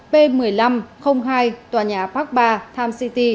p một nghìn năm trăm linh hai tòa nhà park ba tham city